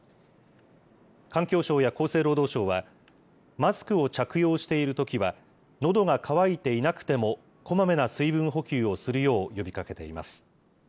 環境省や厚生労働省は、マスクを着用しているときはのどが渇いていなくても、こまめな水分補給をするよう呼びかけています。